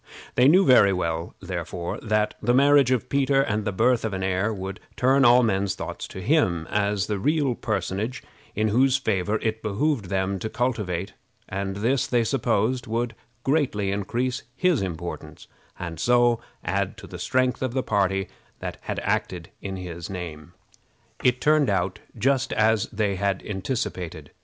They knew very well, therefore, that the marriage of Peter and the birth of an heir would turn all men's thoughts to him as the real personage whose favor it behooved them to cultivate; and this, they supposed, would greatly increase his importance, and so add to the strength of the party that acted in his name. It turned out just as they had anticipated.